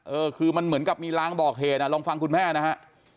เออคือมันเหมือนกับมีลางบอกเหตุอ่ะลองฟังคุณแม่นะฮะ